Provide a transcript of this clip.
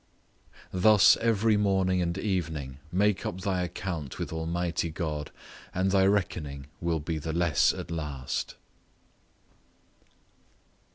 Thus, every morning and evening make up thy account with Almighty God, and thy reckoning will be the less at last.